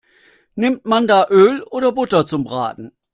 Nimmt man da Öl oder Butter zum Braten?